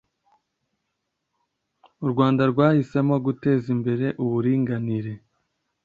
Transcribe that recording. u Rwanda rwahisemo guteza imbere uburinganire